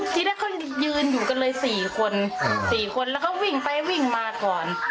ทีแรกเขายืนอยู่กันเลย๔คน๔คนแล้วเขาวิ่งไปวิ่งมาก่อน